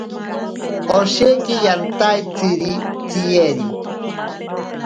Osheki yantaeaitzi tsiyeri.